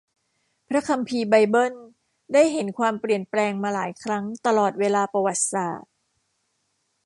พระคัมภีร์ไบเบิลได้เห็นความเปลี่ยนแปลงมาหลายครั้งตลอดเวลาประวัติศาสตร์